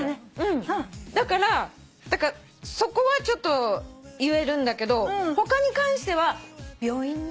だからそこはちょっと言えるんだけど他に関しては病院に。